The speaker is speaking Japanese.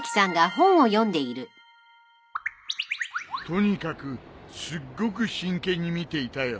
とにかくすっごく真剣に見ていたよ。